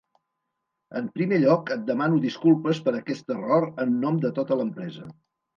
En primer lloc, et demano disculpes per aquest error en nom de tota l'empresa.